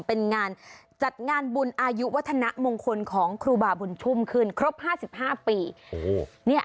เป็นงานจัดงานบุญอายุวัฒนมงคลของครูบาบุญชุ่มขึ้นครบ๕๕ปี